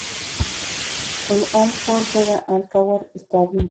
El Al-Khor juega en el Al-Khawr Stadium.